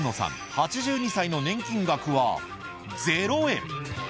８２歳の年金額は０円。